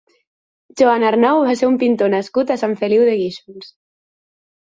Joan Arnau va ser un pintor nascut a Sant Feliu de Guíxols.